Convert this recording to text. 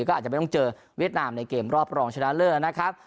ก็อาจจะไม่ต้องเจอเวียดนามในเกมรอบรองชนะเลิศนะครับ